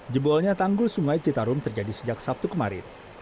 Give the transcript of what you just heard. jebolnya tanggul sungai citarum terjadi sejak sabtu kemarin